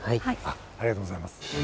ありがとうございます。